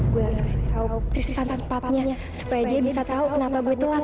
gue harus tahu tristan sempatnya supaya dia bisa tahu kenapa gue telat